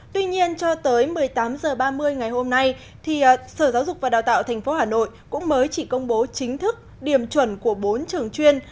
tuy nhiên cho tới một mươi tám h ba mươi ngày hôm nay sở giáo dục và đào tạo tp hà nội cũng mới chỉ công bố chính thức điểm chuẩn của bốn trường chuyên